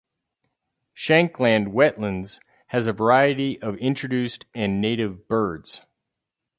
Shankland Wetlands has a variety of introduced and native birds.